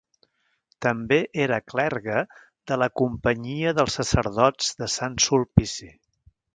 També era clergue de la Companyia dels Sacerdots de Sant Sulpici.